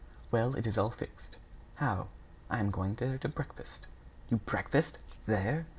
"Well, it is all fixed." "How?" "I am going there to breakfast." "You breakfast there!"